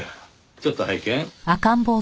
ちょっと拝見。